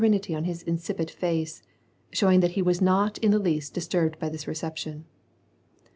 — 1 1 2 WAR AND PEACE, ity on his insipid face, showing that he was not in the least disturbed by this reception.